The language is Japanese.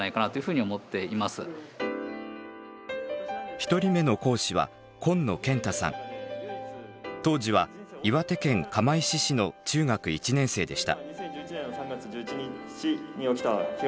１人目の講師は当時は岩手県釜石市の中学１年生でした。